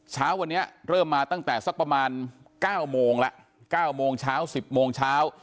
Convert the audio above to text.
เช้าวันนี้เริ่มมาตั้งแต่สักประมาณ๙โมงละ๙โมงเช้า๑๐โมงเช้า